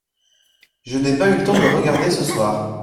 Je n’ai pas eu le temps de regarder ce soir.